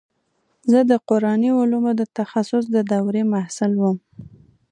زه د قراني علومو د تخصص د دورې محصل وم.